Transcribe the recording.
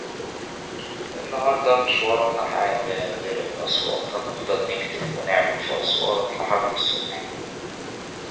Many denominations have instituted offices or programs which focus on inter-generational ministry.